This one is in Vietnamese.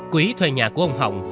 quý thuê nhà của ông hồng